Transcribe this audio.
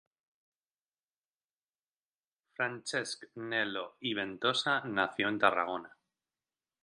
Francesc Nel·lo i Ventosa nació en Tarragona.